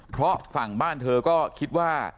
เพราะฝั่งบ้านเธอก็คิดว่า